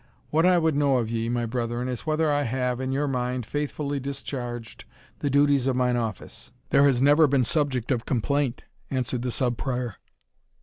What I would know of ye, my brethren, is, whether I have, in your mind, faithfully discharged the duties of mine office?" "There has never been subject of complaint," answered the Sub Prior.